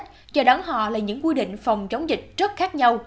cho đón họ là những quy định phòng chống dịch rất khác nhau